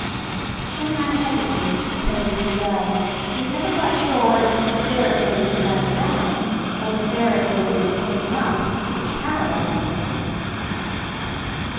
When a man hesitates to propose to a girl he is never quite sure whether it is the fear of being "turned down" or the fear of being "taken up" which paralyzes him.